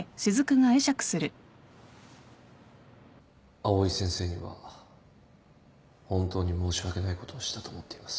藍井先生には本当に申し訳ないことをしたと思っています。